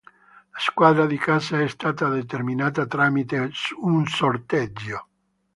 La squadra di casa è stata determinata tramite un sorteggio.